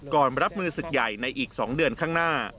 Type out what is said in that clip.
รับมือศึกใหญ่ในอีก๒เดือนข้างหน้า